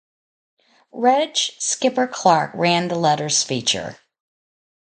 Reg "Skipper" Clarke ran the letters feature.